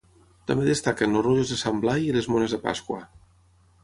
També destaquen els rotllos de Sant Blai i les mones de pasqua.